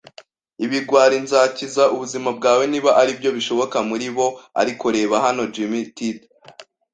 ibigwari. Nzakiza ubuzima bwawe - niba aribyo bishoboka - muri bo. Ariko, reba hano, Jim - tit